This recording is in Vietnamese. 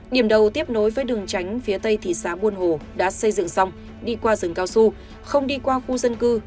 điểm đầu tiếp nối với đường tránh phía tây thị xã buôn hồ đã xây dựng xong đi qua rừng cao su không đi qua khu dân cư